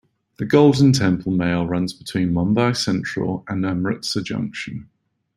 The Golden Temple Mail runs between Mumbai Central and Amritsar Junction.